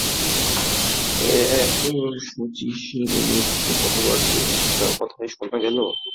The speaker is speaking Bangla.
এই এক শচীশের মুখ দিয়া কতবার যে কত উলটা কথাই শোনা গেল!